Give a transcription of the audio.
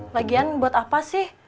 lagian buat apa sih